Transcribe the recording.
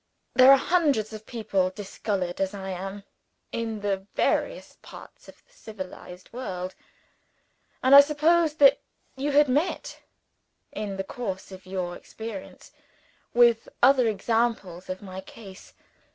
There are hundreds of people discolored as I am, in the various parts of the civilized world; and I supposed that you had met, in the course of your experience, with other examples of my case.